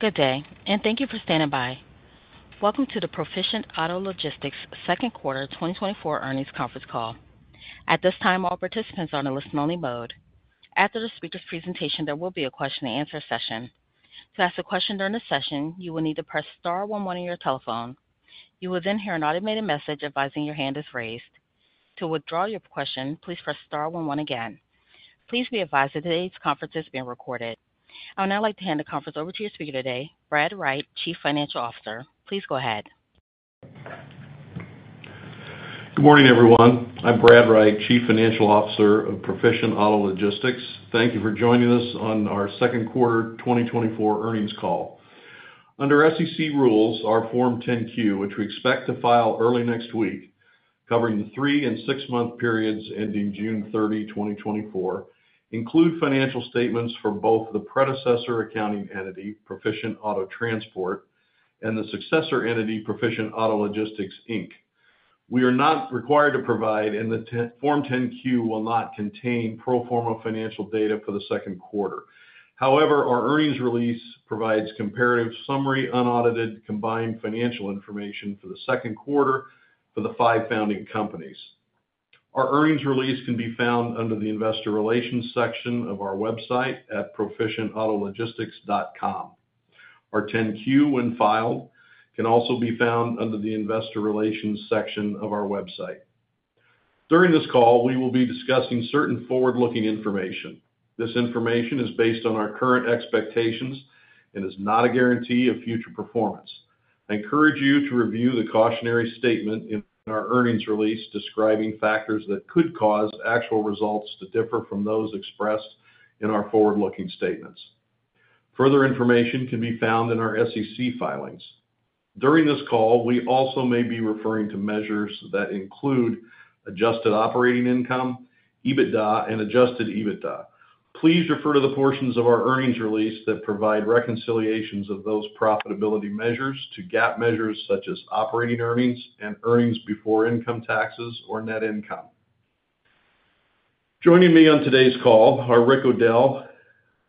Good day, and thank you for standing by. Welcome to the Proficient Auto Logistics second quarter 2024 earnings conference call. At this time, all participants are on a listen-only mode. After the speaker's presentation, there will be a question-and-answer session. To ask a question during the session, you will need to press star one one on your telephone. You will then hear an automated message advising your hand is raised. To withdraw your question, please press star one one again. Please be advised that today's conference is being recorded. I would now like to hand the conference over to your speaker today, Brad Wright, Chief Financial Officer. Please go ahead. Good morning, everyone. I'm Brad Wright, Chief Financial Officer of Proficient Auto Logistics. Thank you for joining us on our second quarter 2024 earnings call. Under SEC rules, our Form 10-Q, which we expect to file early next week, covering the three- and six-month periods ending June 30, 2024, include financial statements for both the predecessor accounting entity, Proficient Auto Transport, and the successor entity, Proficient Auto Logistics, Inc. We are not required to provide, and the Form 10-Q will not contain pro forma financial data for the second quarter. However, our earnings release provides comparative summary, unaudited, combined financial information for the second quarter for the five founding companies. Our earnings release can be found under the Investor Relations section of our website at proficientautologistics.com. Our 10-Q, when filed, can also be found under the Investor Relations section of our website. During this call, we will be discussing certain forward-looking information. This information is based on our current expectations and is not a guarantee of future performance. I encourage you to review the cautionary statement in our earnings release describing factors that could cause actual results to differ from those expressed in our forward-looking statements. Further information can be found in our SEC filings. During this call, we also may be referring to measures that include adjusted operating income, EBITDA, and adjusted EBITDA. Please refer to the portions of our earnings release that provide reconciliations of those profitability measures to GAAP measures such as operating earnings and earnings before income taxes or net income. Joining me on today's call are Rick O'Dell,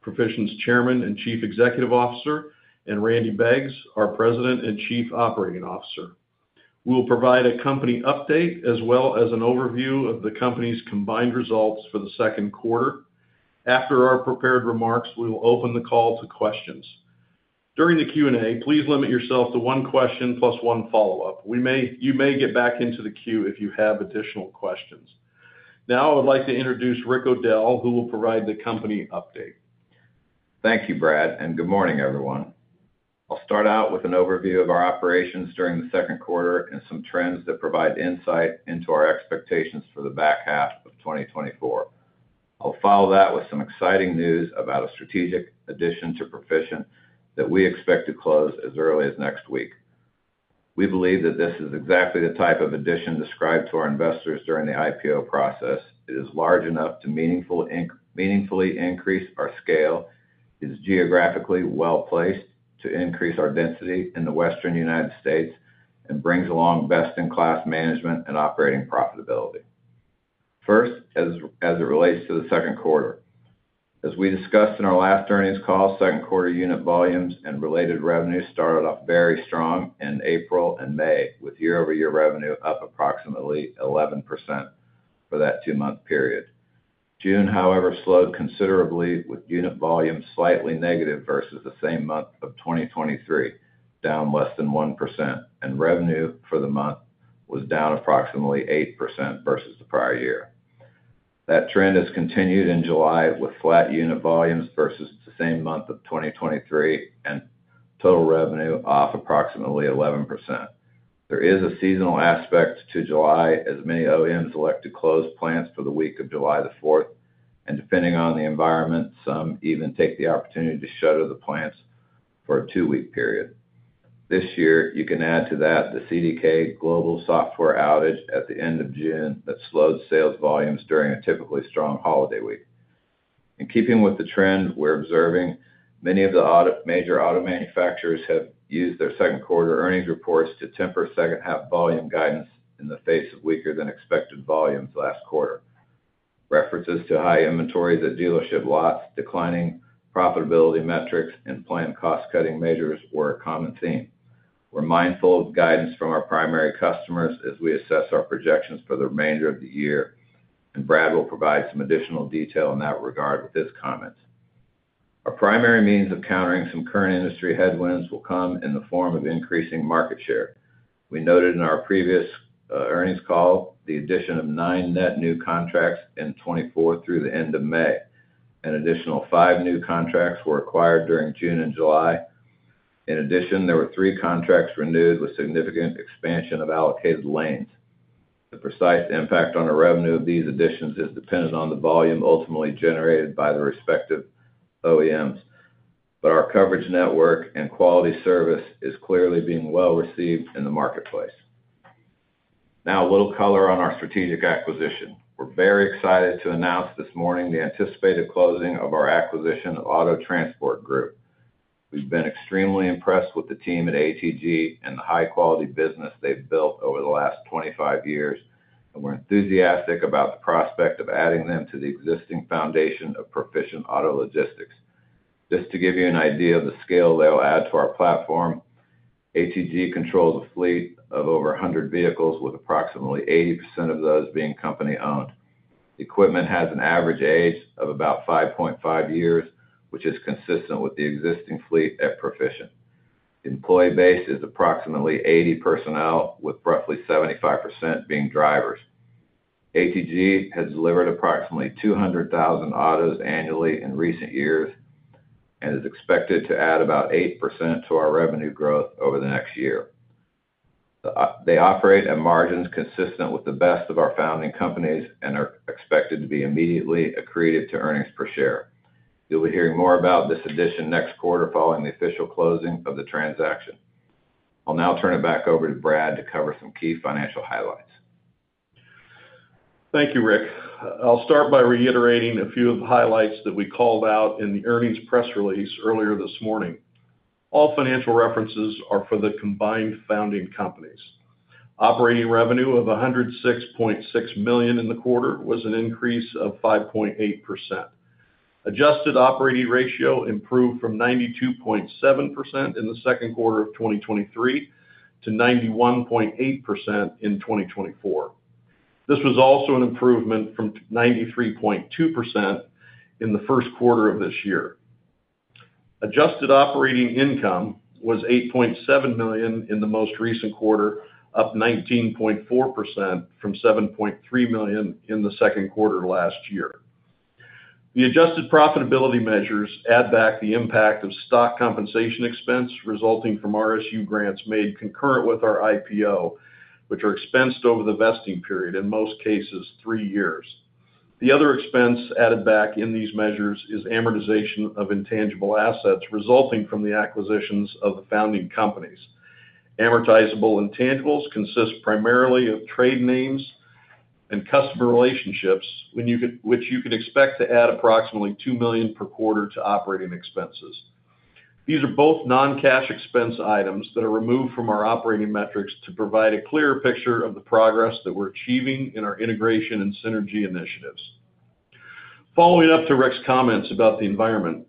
Proficient's Chairman and Chief Executive Officer, and Randy Beggs, our President and Chief Operating Officer. We will provide a company update as well as an overview of the company's combined results for the second quarter. After our prepared remarks, we will open the call to questions. During the Q&A, please limit yourself to one question plus one follow-up. You may get back into the queue if you have additional questions. Now, I would like to introduce Rick O'Dell, who will provide the company update. Thank you, Brad, and good morning, everyone. I'll start out with an overview of our operations during the second quarter and some trends that provide insight into our expectations for the back half of 2024. I'll follow that with some exciting news about a strategic addition to Proficient that we expect to close as early as next week. We believe that this is exactly the type of addition described to our investors during the IPO process. It is large enough to meaningfully increase our scale, is geographically well-placed to increase our density in the Western United States, and brings along best-in-class management and operating profitability. First, as it relates to the second quarter. As we discussed in our last earnings call, second quarter unit volumes and related revenues started off very strong in April and May, with year-over-year revenue up approximately 11% for that two-month period. June, however, slowed considerably, with unit volumes slightly negative versus the same month of 2023, down less than 1%, and revenue for the month was down approximately 8% versus the prior year. That trend has continued in July, with flat unit volumes versus the same month of 2023, and total revenue off approximately 11%. There is a seasonal aspect to July, as many OEMs elect to close plants for the week of July 4, and depending on the environment, some even take the opportunity to shutter the plants for a two-week period. This year, you can add to that the CDK Global software outage at the end of June that slowed sales volumes during a typically strong holiday week. In keeping with the trend we're observing, many of the major auto manufacturers have used their second quarter earnings reports to temper second half volume guidance in the face of weaker than expected volumes last quarter. References to high inventories at dealership lots, declining profitability metrics, and planned cost-cutting measures were a common theme. We're mindful of guidance from our primary customers as we assess our projections for the remainder of the year, and Brad will provide some additional detail in that regard with his comments. Our primary means of countering some current industry headwinds will come in the form of increasing market share. We noted in our previous earnings call the addition of 9 net new contracts in 2024 through the end of May. An additional 5 new contracts were acquired during June and July. In addition, there were 3 contracts renewed with significant expansion of allocated lanes. The precise impact on the revenue of these additions is dependent on the volume ultimately generated by the respective OEMs, but our coverage network and quality service is clearly being well received in the marketplace. Now, a little color on our strategic acquisition. We're very excited to announce this morning the anticipated closing of our acquisition of Auto Transport Group. We've been extremely impressed with the team at ATG and the high-quality business they've built over the last 25 years... and we're enthusiastic about the prospect of adding them to the existing foundation of Proficient Auto Logistics. Just to give you an idea of the scale they'll add to our platform, ATG controls a fleet of over 100 vehicles, with approximately 80% of those being company-owned. The equipment has an average age of about 5.5 years, which is consistent with the existing fleet at Proficient. The employee base is approximately 80 personnel, with roughly 75% being drivers. ATG has delivered approximately 200,000 autos annually in recent years and is expected to add about 8% to our revenue growth over the next year. They operate at margins consistent with the best of our founding companies and are expected to be immediately accretive to earnings per share. You'll be hearing more about this addition next quarter, following the official closing of the transaction. I'll now turn it back over to Brad to cover some key financial highlights. Thank you, Rick. I'll start by reiterating a few of the highlights that we called out in the earnings press release earlier this morning. All financial references are for the combined founding companies. Operating revenue of $106.6 million in the quarter was an increase of 5.8%. Adjusted operating ratio improved from 92.7% in the second quarter of 2023 to 91.8% in 2024. This was also an improvement from 93.2% in the first quarter of this year. Adjusted operating income was $8.7 million in the most recent quarter, up 19.4% from $7.3 million in the second quarter last year. The adjusted profitability measures add back the impact of stock compensation expense resulting from RSU grants made concurrent with our IPO, which are expensed over the vesting period, in most cases, three years. The other expense added back in these measures is amortization of intangible assets resulting from the acquisitions of the founding companies. Amortizable intangibles consist primarily of trade names and customer relationships, which you could expect to add approximately $2 million per quarter to operating expenses. These are both non-cash expense items that are removed from our operating metrics to provide a clearer picture of the progress that we're achieving in our integration and synergy initiatives. Following up to Rick's comments about the environment,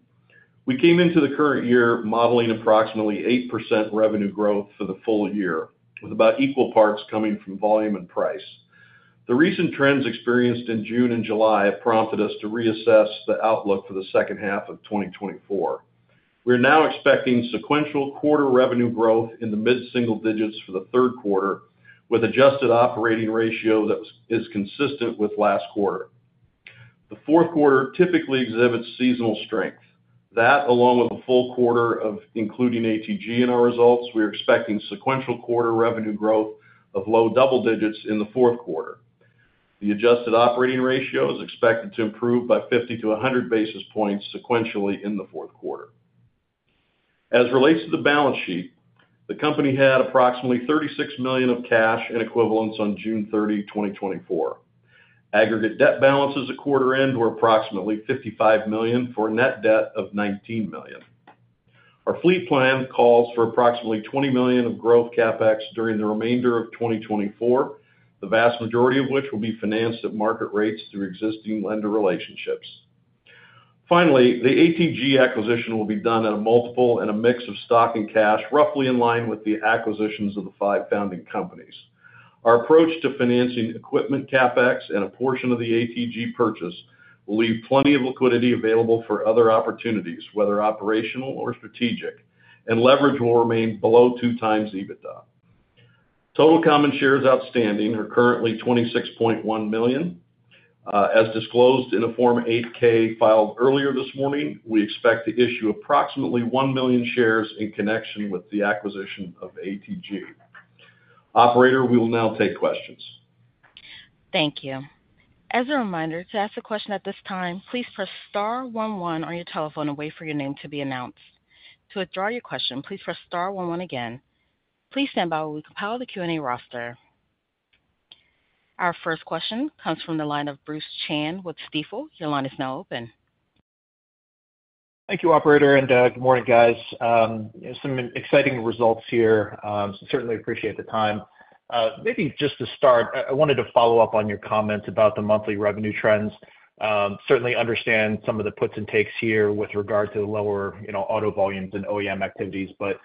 we came into the current year modeling approximately 8% revenue growth for the full year, with about equal parts coming from volume and price. The recent trends experienced in June and July have prompted us to reassess the outlook for the second half of 2024. We are now expecting sequential quarter revenue growth in the mid-single digits for the third quarter, with adjusted operating ratio that is consistent with last quarter. The fourth quarter typically exhibits seasonal strength. That, along with a full quarter of including ATG in our results, we are expecting sequential quarter revenue growth of low double digits in the fourth quarter. The adjusted operating ratio is expected to improve by 50 to 100 basis points sequentially in the fourth quarter. As it relates to the balance sheet, the company had approximately $36 million of cash and equivalents on June 30, 2024. Aggregate debt balances at quarter-end were approximately $55 million, for a net debt of $19 million. Our fleet plan calls for approximately $20 million of Growth CapEx during the remainder of 2024, the vast majority of which will be financed at market rates through existing lender relationships. Finally, the ATG acquisition will be done at a multiple and a mix of stock and cash, roughly in line with the acquisitions of the five founding companies. Our approach to financing equipment CapEx and a portion of the ATG purchase will leave plenty of liquidity available for other opportunities, whether operational or strategic, and leverage will remain below 2x EBITDA. Total common shares outstanding are currently 26.1 million. As disclosed in a Form 8-K filed earlier this morning, we expect to issue approximately 1 million shares in connection with the acquisition of ATG. Operator, we will now take questions. Thank you. As a reminder, to ask a question at this time, please press star one one on your telephone and wait for your name to be announced. To withdraw your question, please press star one one again. Please stand by while we compile the Q&A roster. Our first question comes from the line of Bruce Chan with Stifel. Your line is now open. Thank you, operator, and good morning, guys. Some exciting results here. Certainly appreciate the time. Maybe just to start, I wanted to follow up on your comments about the monthly revenue trends. Certainly understand some of the puts and takes here with regard to the lower, you know, auto volumes and OEM activities, but,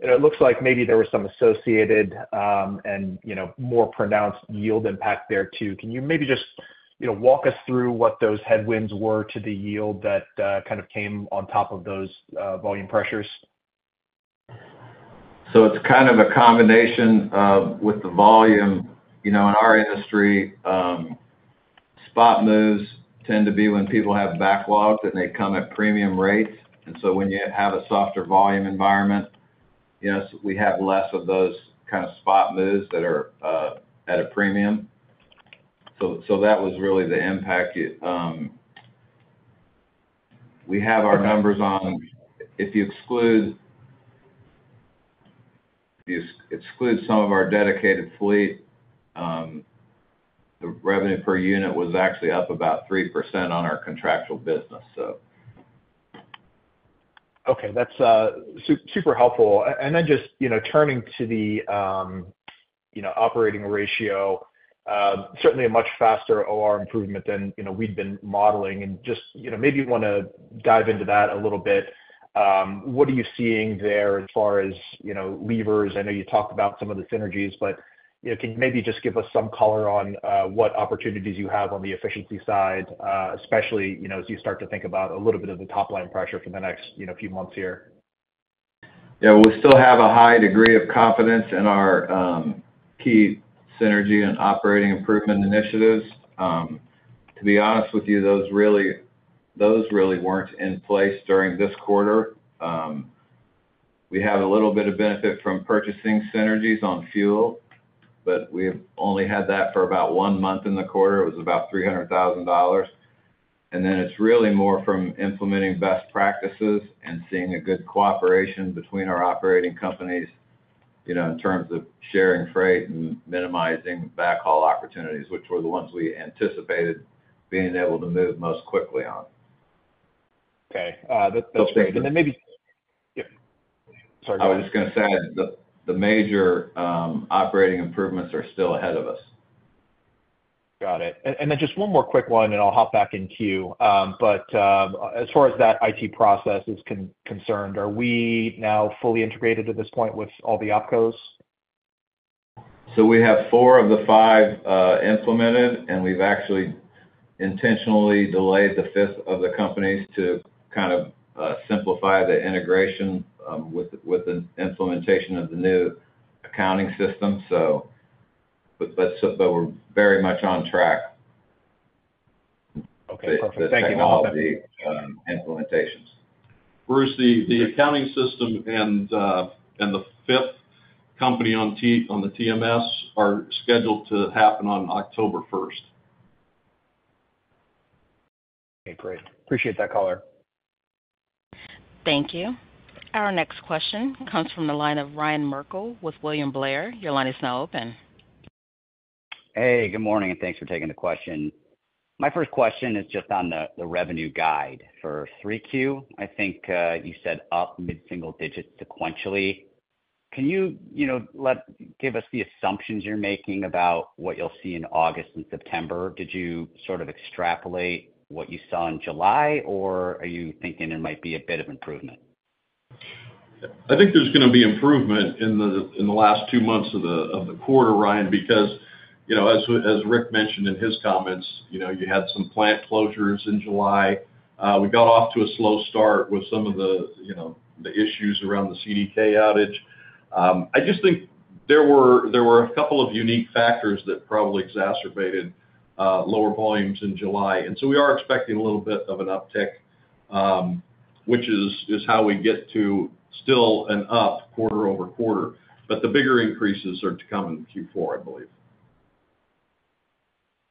you know, it looks like maybe there was some associated, and, you know, more pronounced yield impact there, too. Can you maybe just, you know, walk us through what those headwinds were to the yield that kind of came on top of those volume pressures? So it's kind of a combination with the volume. You know, in our industry, spot moves tend to be when people have backlogs, and they come at premium rates. And so when you have a softer volume environment, yes, we have less of those kinds of spot moves that are at a premium. So, so that was really the impact. We have our numbers on... If you exclude, if you exclude some of our dedicated fleet, the revenue per unit was actually up about 3% on our contractual business. So-... Okay, that's super helpful. And then just, you know, turning to the operating ratio, certainly a much faster OR improvement than, you know, we'd been modeling. And just, you know, maybe you want to dive into that a little bit. What are you seeing there as far as, you know, levers? I know you talked about some of the synergies, but, you know, can you maybe just give us some color on what opportunities you have on the efficiency side, especially, you know, as you start to think about a little bit of the top line pressure for the next, you know, few months here? Yeah, we still have a high degree of confidence in our key synergy and operating improvement initiatives. To be honest with you, those really, those really weren't in place during this quarter. We had a little bit of benefit from purchasing synergies on fuel, but we've only had that for about one month in the quarter. It was about $300,000. And then it's really more from implementing best practices and seeing a good cooperation between our operating companies, you know, in terms of sharing freight and minimizing backhaul opportunities, which were the ones we anticipated being able to move most quickly on. Okay, that's great. Okay. Yep. Sorry, go ahead. I was just going to say, the major operating improvements are still ahead of us. Got it. And then just one more quick one, and I'll hop back in queue. But as far as that IT process is concerned, are we now fully integrated at this point with all the opcos? So we have four of the five implemented, and we've actually intentionally delayed the fifth of the companies to kind of simplify the integration with the implementation of the new accounting system. But we're very much on track- Okay, perfect. Thank you. - with the technology, implementations. Bruce, the accounting system and the fifth company on the TMS are scheduled to happen on October first. Okay, great. Appreciate that color. Thank you. Our next question comes from the line of Ryan Merkel with William Blair. Your line is now open. Hey, good morning, and thanks for taking the question. My first question is just on the revenue guide for 3Q. I think you said up mid-single digit sequentially. Can you, you know, give us the assumptions you're making about what you'll see in August and September? Did you sort of extrapolate what you saw in July, or are you thinking there might be a bit of improvement? I think there's going to be improvement in the last two months of the quarter, Ryan, because, you know, as Rick mentioned in his comments, you know, you had some plant closures in July. We got off to a slow start with some of the, you know, the issues around the CDK outage. I just think there were a couple of unique factors that probably exacerbated lower volumes in July, and so we are expecting a little bit of an uptick, which is how we get to still an up quarter-over-quarter. But the bigger increases are to come in Q4, I believe.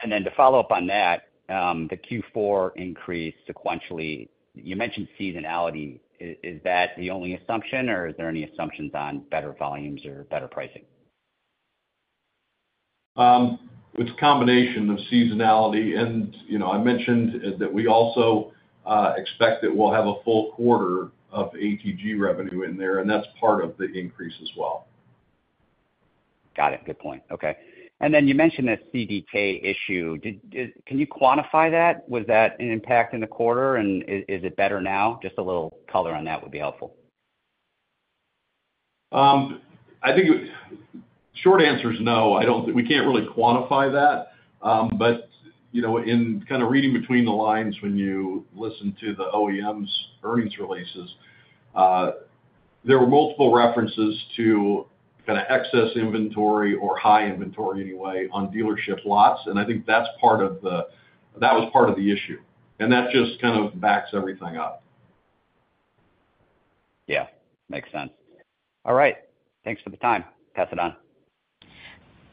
Then to follow up on that, the Q4 increase sequentially, you mentioned seasonality. Is that the only assumption, or is there any assumptions on better volumes or better pricing? It's a combination of seasonality and, you know, I mentioned that we also expect that we'll have a full quarter of ATG revenue in there, and that's part of the increase as well. Got it. Good point. Okay. And then you mentioned the CDK issue. Did, Can you quantify that? Was that an impact in the quarter, and is it better now? Just a little color on that would be helpful. I think short answer is no. I don't... We can't really quantify that. But, you know, in kind of reading between the lines, when you listen to the OEMs earnings releases, there were multiple references to kind of excess inventory or high inventory anyway, on dealership lots, and I think that's part of the-- that was part of the issue. That just kind of backs everything up. Yeah, makes sense. All right. Thanks for the time. Pass it on.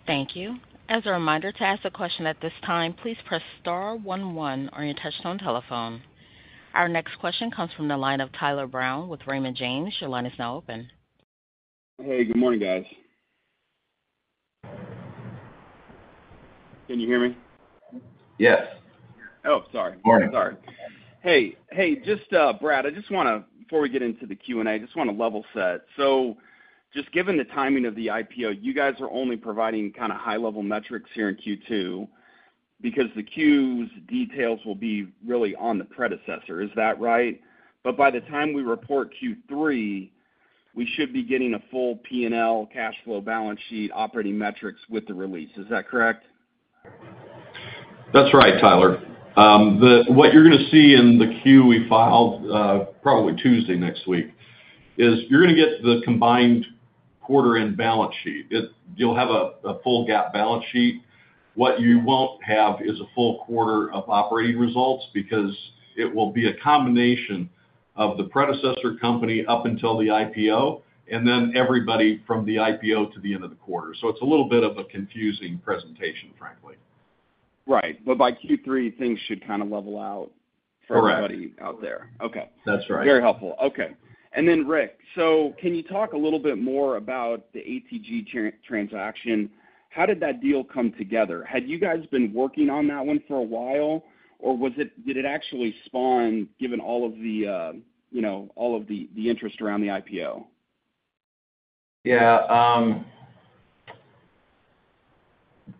Thank you. As a reminder, to ask a question at this time, please press star one one on your touchtone telephone. Our next question comes from the line of Tyler Brown with Raymond James. Your line is now open. Hey, good morning, guys. Can you hear me? Yes. Oh, sorry. Morning. Sorry. Hey, hey, just, Brad, I just want to, before we get into the Q&A, I just want to level set. So just given the timing of the IPO, you guys are only providing kind of high-level metrics here in Q2 because the Q's details will be really on the predecessor. Is that right? But by the time we report Q3, we should be getting a full P&L, cash flow balance sheet, operating metrics with the release. Is that correct? That's right, Tyler. What you're going to see in the Q we filed, probably Tuesday next week, is you're going to get the combined quarter and balance sheet. You'll have a full GAAP balance sheet. What you won't have is a full quarter of operating results, because it will be a combination of the predecessor company up until the IPO, and then everybody from the IPO to the end of the quarter. So it's a little bit of a confusing presentation, frankly. Right. But by Q3, things should kind of level out- Correct. for everybody out there. Okay. That's right. Very helpful. Okay. And then, Rick, so can you talk a little bit more about the ATG transaction? How did that deal come together? Had you guys been working on that one for a while, or was it-- did it actually spawn, given all of the, you know, all of the, the interest around the IPO?... Yeah,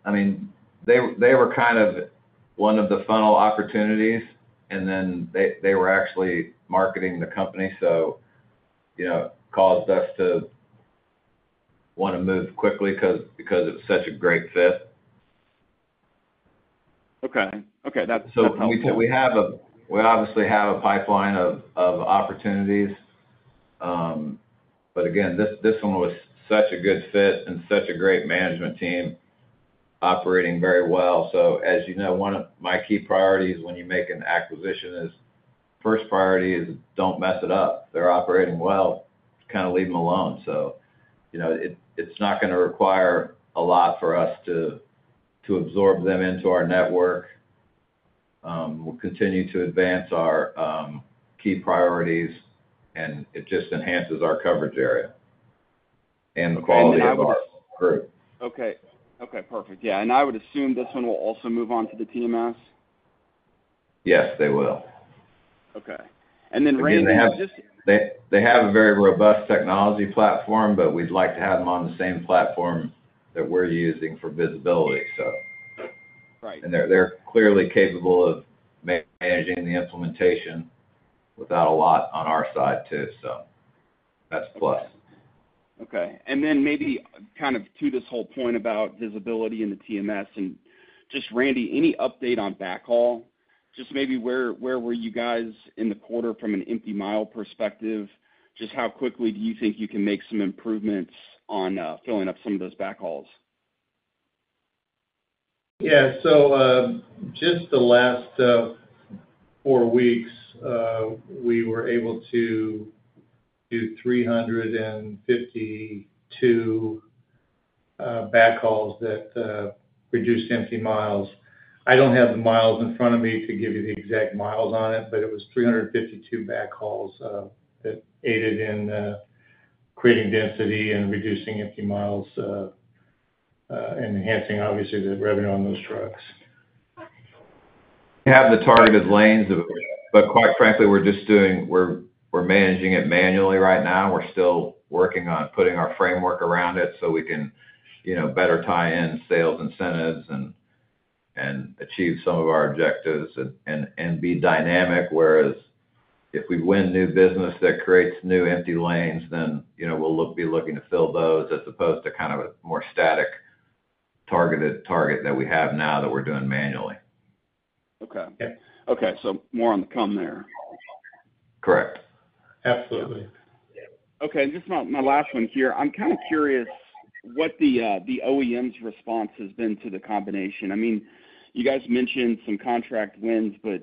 I mean, they were kind of one of the funnel opportunities, and then they were actually marketing the company, so, you know, caused us to want to move quickly, because it's such a great fit. Okay. Okay, that's helpful. So we have a—we obviously have a pipeline of opportunities. But again, this one was such a good fit and such a great management team operating very well. So as you know, one of my key priorities when you make an acquisition is, first priority is don't mess it up. They're operating well, kind of leave them alone. So, you know, it's not going to require a lot for us to absorb them into our network. We'll continue to advance our key priorities, and it just enhances our coverage area and the quality of our group. Okay. Okay, perfect. Yeah, and I would assume this one will also move on to the TMS? Yes, they will. Okay. And then, Randy, just- They have a very robust technology platform, but we'd like to have them on the same platform that we're using for visibility, so. Right. They're clearly capable of managing the implementation without a lot on our side, too. That's a plus. Okay. And then maybe kind of to this whole point about visibility in the TMS, and just, Randy, any update on backhaul? Just maybe where, where were you guys in the quarter from an empty mile perspective? Just how quickly do you think you can make some improvements on filling up some of those backhauls? Yeah. So, just the last four weeks, we were able to do 352 backhauls that reduced empty miles. I don't have the miles in front of me to give you the exact miles on it, but it was 352 backhauls that aided in creating density and reducing empty miles, and enhancing, obviously, the revenue on those trucks. We have the targeted lanes, but quite frankly, we're just doing... We're managing it manually right now. We're still working on putting our framework around it so we can, you know, better tie in sales incentives and achieve some of our objectives and be dynamic. Whereas if we win new business that creates new empty lanes, then, you know, we'll be looking to fill those as opposed to kind of a more static, targeted target that we have now that we're doing manually. Okay. Yeah. Okay, so more on the come there. Correct. Absolutely. Okay, and just my last one here. I'm kind of curious what the OEM's response has been to the combination. I mean, you guys mentioned some contract wins, but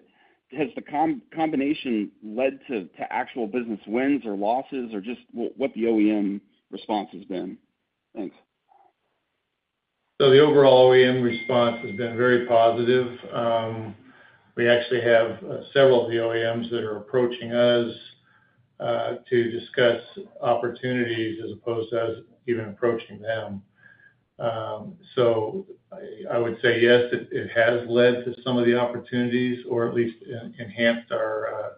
has the combination led to actual business wins or losses, or just what the OEM response has been? Thanks. So the overall OEM response has been very positive. We actually have several of the OEMs that are approaching us to discuss opportunities as opposed to us even approaching them. So I would say, yes, it has led to some of the opportunities, or at least enhanced our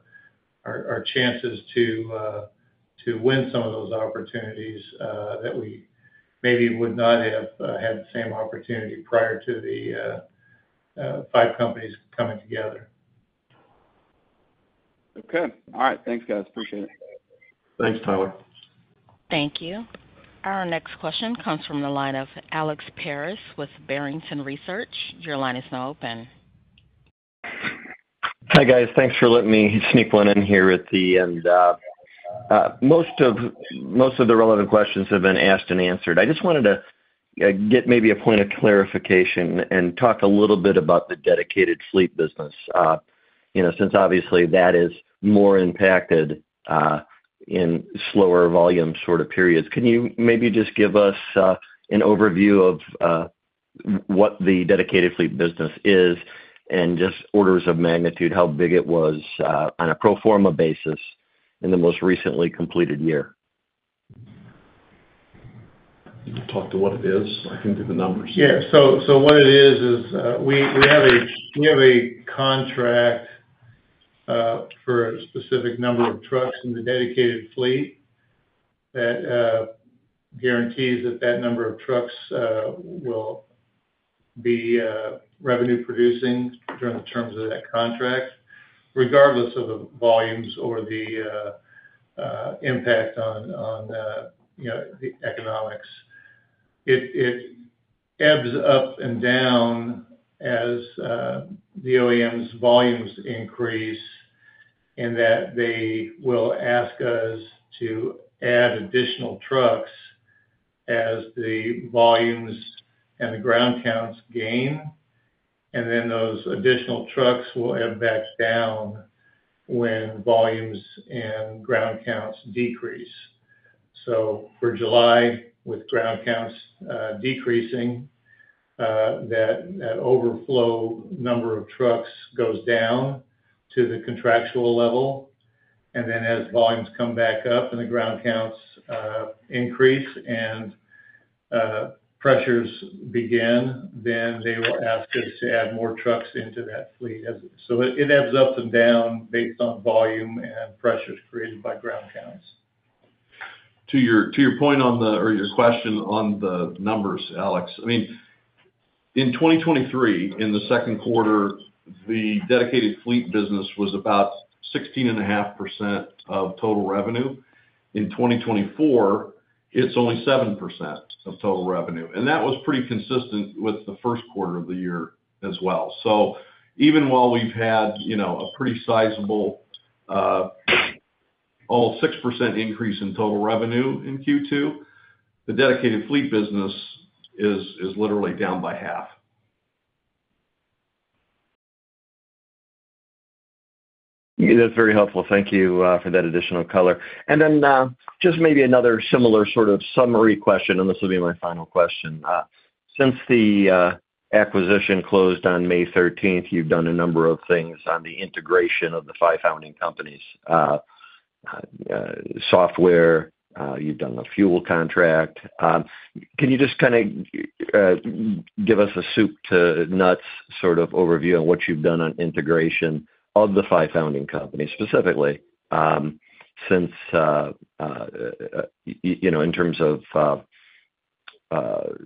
chances to win some of those opportunities that we maybe would not have had the same opportunity prior to the five companies coming together. Okay. All right. Thanks, guys. Appreciate it. Thanks, Tyler. Thank you. Our next question comes from the line of Alex Paris with Barrington Research. Your line is now open. Hi, guys. Thanks for letting me sneak one in here at the end. Most of the relevant questions have been asked and answered. I just wanted to get maybe a point of clarification and talk a little bit about the dedicated fleet business. You know, since obviously, that is more impacted in slower volume sort of periods. Can you maybe just give us an overview of what the dedicated fleet business is and just orders of magnitude, how big it was on a pro forma basis in the most recently completed year? You can talk to what it is. I can do the numbers. Yeah. So what it is is we have a contract for a specific number of trucks in the dedicated fleet that guarantees that that number of trucks will be revenue producing during the terms of that contract, regardless of the volumes or the impact on you know the economics. It ebbs up and down as the OEM's volumes increase, and that they will ask us to add additional trucks as the volumes and the ground counts gain, and then those additional trucks will ebb back down when volumes and ground counts decrease. So for July, with ground counts decreasing, that overflow number of trucks goes down to the contractual level. And then as volumes come back up and the ground counts increase and-... Pressures begin, then they will ask us to add more trucks into that fleet as. So it, it ebbs up and down based on volume and pressures created by ground counts. To your point on the, or your question on the numbers, Alex, I mean, in 2023, in the second quarter, the dedicated fleet business was about 16.5% of total revenue. In 2024, it's only 7% of total revenue, and that was pretty consistent with the first quarter of the year as well. So even while we've had, you know, a pretty sizable almost 6% increase in total revenue in Q2, the dedicated fleet business is literally down by half. Yeah, that's very helpful. Thank you, for that additional color. And then, just maybe another similar sort of summary question, and this will be my final question. Since the, acquisition closed on May thirteenth, you've done a number of things on the integration of the five founding companies. Software, you've done a fuel contract. Can you just kinda, give us a soup to nuts sort of overview on what you've done on integration of the five founding companies, specifically, since, you know, in terms of,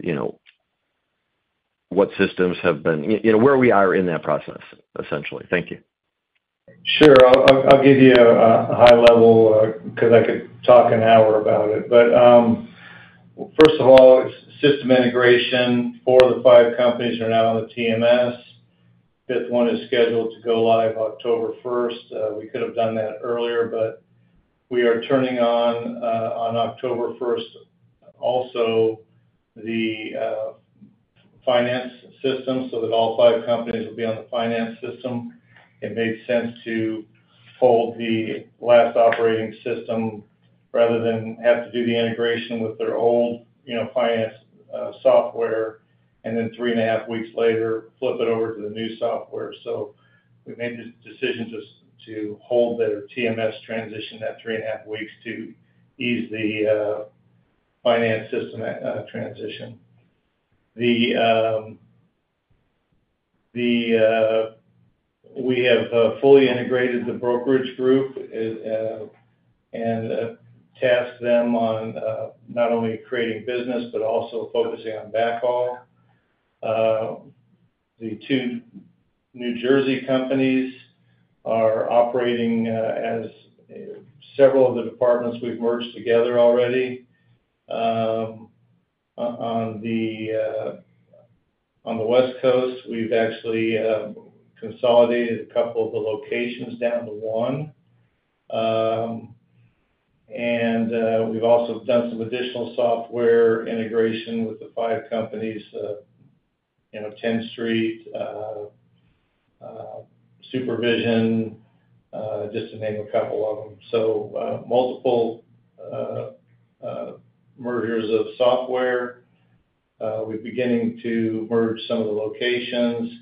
you know, what systems have been... You know, where we are in that process, essentially. Thank you. Sure. I'll give you a high level, 'cause I could talk an hour about it. But first of all, system integration, four of the five companies are now on the TMS. Fifth one is scheduled to go live October first. We could have done that earlier, but we are turning on, on October first, also, the finance system, so that all five companies will be on the finance system. It made sense to hold the last operating system rather than have to do the integration with their own, you know, finance software, and then three and a half weeks later, flip it over to the new software. So we made the decision just to hold their TMS transition that three and a half weeks to ease the finance system transition. The, the... We have fully integrated the brokerage group, and tasked them on not only creating business, but also focusing on backhaul. The two New Jersey companies are operating as several of the departments we've merged together already. On the West Coast, we've actually consolidated a couple of the locations down to one. And we've also done some additional software integration with the five companies, you know, Tenstreet, SuperVision, just to name a couple of them. So, multiple mergers of software. We're beginning to merge some of the locations,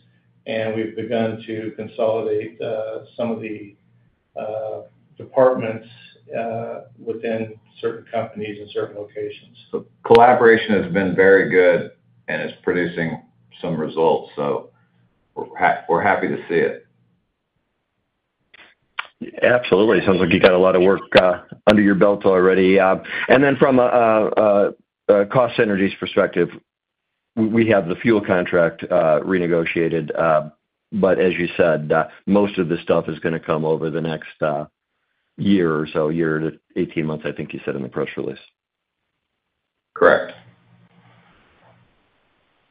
and we've begun to consolidate some of the departments within certain companies and certain locations. So collaboration has been very good and is producing some results, so we're happy to see it. Absolutely. Sounds like you got a lot of work under your belt already. And then from a cost synergies perspective, we have the fuel contract renegotiated, but as you said, most of the stuff is gonna come over the next year or so, year to 18 months, I think you said in the press release. Correct.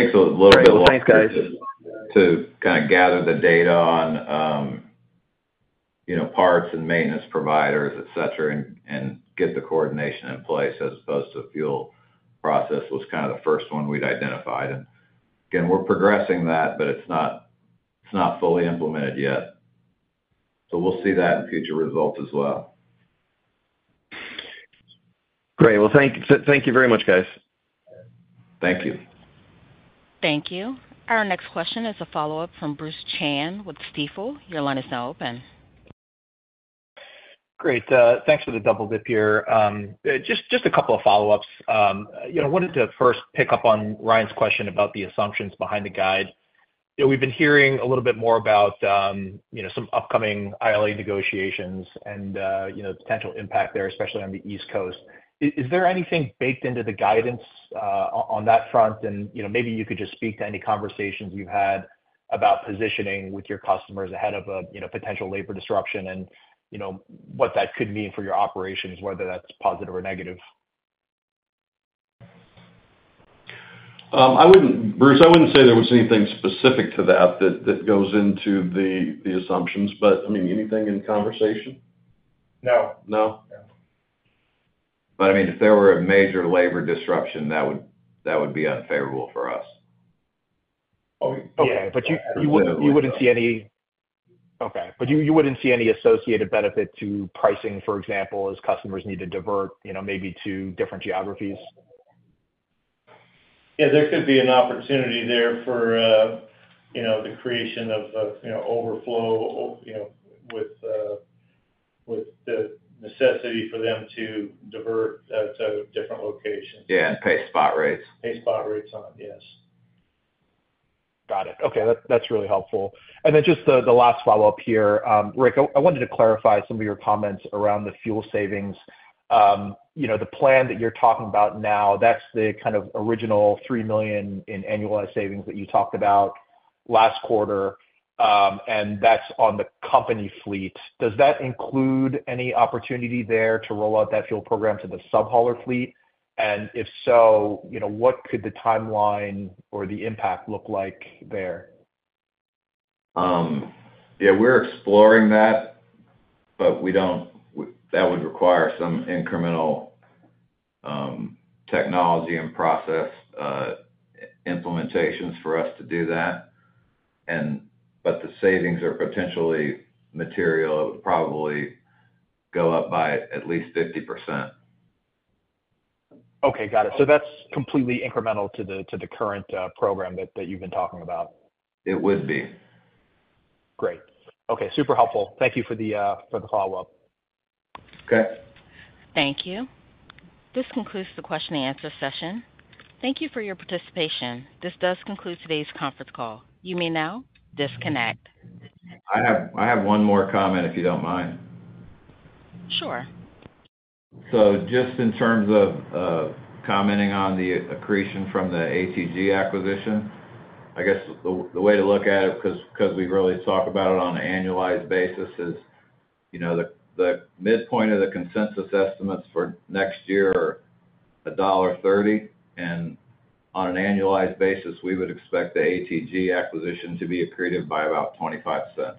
Takes a little bit longer- Thanks, guys - to kind of gather the data on, you know, parts and maintenance providers, et cetera, and get the coordination in place, as opposed to a fuel process, was kind of the first one we'd identified. Again, we're progressing that, but it's not fully implemented yet. We'll see that in future results as well. Great. Well, thank you very much, guys. Thank you. Thank you. Our next question is a follow-up from Bruce Chan with Stifel. Your line is now open. Great, thanks for the double dip here. Just a couple of follow-ups. You know, wanted to first pick up on Ryan's question about the assumptions behind the guide. You know, we've been hearing a little bit more about, you know, some upcoming ILA negotiations and, you know, the potential impact there, especially on the East Coast. Is there anything baked into the guidance on that front? And, you know, maybe you could just speak to any conversations you've had about positioning with your customers ahead of a, you know, potential labor disruption and, you know, what that could mean for your operations, whether that's positive or negative. I wouldn't... Bruce, I wouldn't say there was anything specific to that that goes into the assumptions, but I mean, anything in conversation? No. No? No. But, I mean, if there were a major labor disruption, that would, that would be unfavorable for us. Okay. Oh, yeah. Okay, but you wouldn't see any associated benefit to pricing, for example, as customers need to divert, you know, maybe to different geographies? Yeah, there could be an opportunity there for, you know, the creation of, you know, overflow, you know, with... with the necessity for them to divert to different locations. Yeah, and pay spot rates. Pay spot rates on, yes. Got it. Okay, that's really helpful. And then just the last follow-up here. Rick, I wanted to clarify some of your comments around the fuel savings. You know, the plan that you're talking about now, that's the kind of original $3 million in annualized savings that you talked about last quarter, and that's on the company fleet. Does that include any opportunity there to roll out that fuel program to the sub-hauler fleet? And if so, you know, what could the timeline or the impact look like there? Yeah, we're exploring that, but that would require some incremental technology and process implementations for us to do that. But the savings are potentially material. It would probably go up by at least 50%. Okay, got it. So that's completely incremental to the current program that you've been talking about? It would be. Great. Okay, super helpful. Thank you for the, for the follow-up. Okay. Thank you. This concludes the question and answer session. Thank you for your participation. This does conclude today's conference call. You may now disconnect. I have one more comment, if you don't mind. Sure. So just in terms of commenting on the accretion from the ATG acquisition, I guess the way to look at it, 'cause we really talk about it on an annualized basis, is, you know, the midpoint of the consensus estimates for next year are $1.30, and on an annualized basis, we would expect the ATG acquisition to be accretive by about $0.25.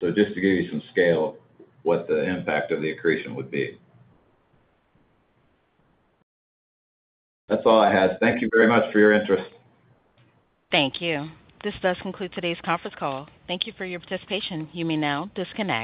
So just to give you some scale, what the impact of the accretion would be. That's all I had. Thank you very much for your interest. Thank you. This does conclude today's conference call. Thank you for your participation. You may now disconnect.